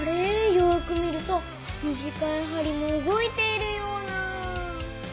よく見ると短いはりも動いているような？